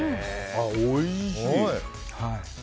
おいしい！